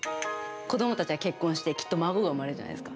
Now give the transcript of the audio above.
子どもたちが結婚して、きっと孫が生まれるじゃないですか。